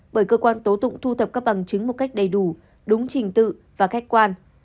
bởi cơ quan tố tụng thu thập các bằng chứng một cách đầy đủ đúng trình tự và khách quan